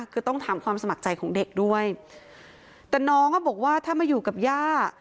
คือต้องถามความสมัครใจของเด็กด้วยแต่น้องอ่ะบอกว่าถ้ามาอยู่กับย่า